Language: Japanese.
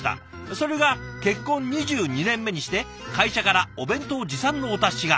それが結婚２２年目にして会社からお弁当持参のお達しが」。